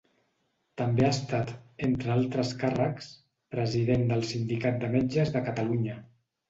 També ha estat, entre altres càrrecs, president del Sindicat de Metges de Catalunya.